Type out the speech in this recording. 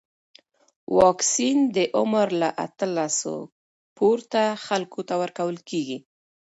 واکسن د عمر له اتلسو پورته خلکو ته ورکول کېږي.